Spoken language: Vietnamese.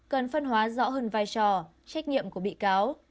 cần phân hóa rõ hơn vai trò trách nhiệm của bị cáo